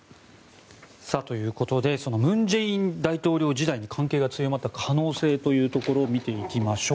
ということで文在寅大統領時代に関係が強まった可能性というところ見ていきましょう。